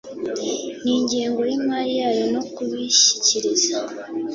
n ingengo y imari yayo no kubishyikiriza